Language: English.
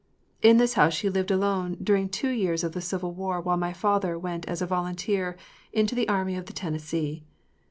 In this house she lived alone during two years of the Civil War while my father went as a volunteer into the Army of the Tennessee.